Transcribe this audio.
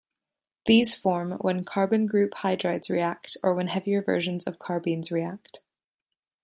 These form when carbon group hydrides react or when heavier versions of carbenes react.